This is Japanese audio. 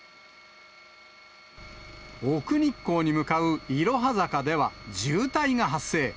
奥日光に向かういろは坂では、渋滞が発生。